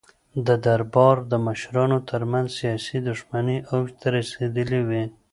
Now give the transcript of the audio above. د دربار د مشرانو ترمنځ سیاسي دښمنۍ اوج ته رسېدلې وې.